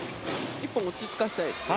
１本落ち着かせたいですね。